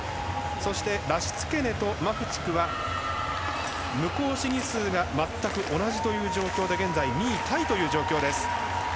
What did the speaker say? そして、ラシツケネとマフチフは無効試技数が全く同じという状況で現在２位タイという状況です。